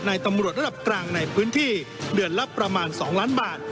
ตำรวจระดับกลางในพื้นที่เดือนละประมาณ๒ล้านบาท